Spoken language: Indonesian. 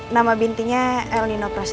nama bintinya el nino prasut ya